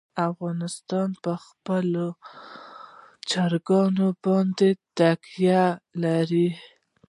افغانستان په خپلو چرګانو باندې تکیه لري.